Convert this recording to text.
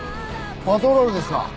パトロールですか？